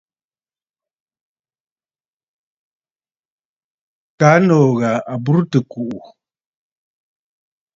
Kaa nòò ghà à burə tɨ̀ kùꞌù.